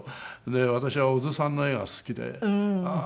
で私は小津さんの映画が好きでああ